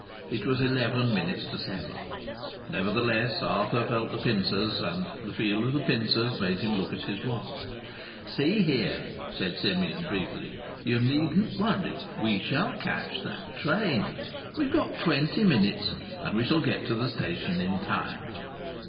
It was eleven minutes to seven. Nevertheless, Arthur felt the pincers, and the feel of the pincers made him look at his watch. "See here," said Simeon, briefly. "You needn't worry. We shall catch that train. We've got twenty minutes, and we shall get to the station in nine."